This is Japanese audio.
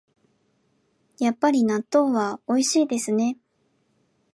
やっぱり納豆はおいしいですね